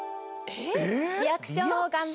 えリアクション⁉